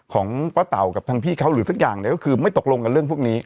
ของป้าเต่ากับทางพี่เขาหรือสักอย่างเนี่ยก็คือไม่ตกลงกับเรื่องพวกนี้